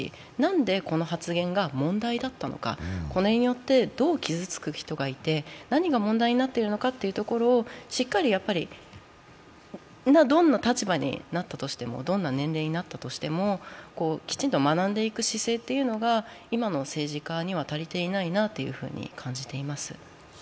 んでこの発言が問題だったのか、これによってどう傷つく人がいて、何が問題になっているのかというところをしっかりどんな立場になったとしてもどんな年齢になったとしてもきちんと学んでいく姿勢が今の政治家には足りていないなと感じています。